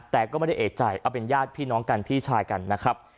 แต่ก็ไม่ได้เอกใจเอาเป็นญาติพี่น้องกันพี่ชายกันนะครับ